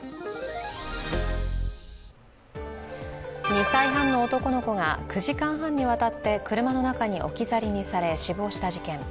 ２歳半の男の子が９時間半にわたって車の中に置き去りにされ、死亡した事件。